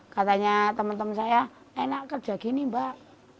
katanya teman teman saya enak kerja gini mbak